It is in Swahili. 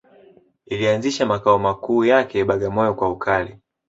Ilianzisha makao makuu yake Bagamoyo kwa ukali